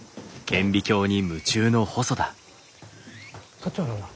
そっちはどうだ？